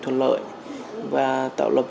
thuận lợi và tạo lập